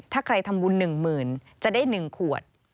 ถ้าใครทำบุญหนึ่งหมื่นจะได้หนึ่งขวด